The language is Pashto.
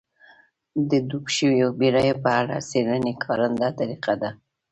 د ډوبو شویو بېړیو په اړه څېړنې کارنده طریقه ده